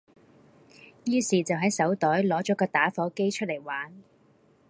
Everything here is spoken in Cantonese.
於是就喺手袋攞咗個打火機出嚟玩